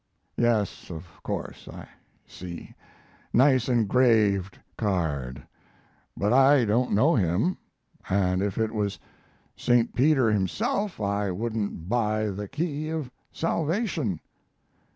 "Yes, of course, I see nice engraved card but I don't know him, and if it was St. Peter himself I wouldn't buy the key of salvation!